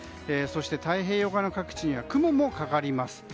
そして、太平洋側の各地には雲がかかります。